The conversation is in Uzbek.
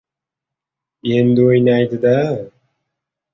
Endi, o‘ynaydi-da!